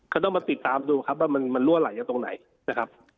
ก็ต้องมาติดตามดูครับว่ามันรั่วไหลจากตรงไหนนะครับ